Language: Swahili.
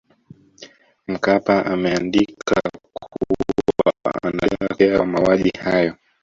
Mkapa ameandika kuwa anajutia kutokea kwa mauaji hayo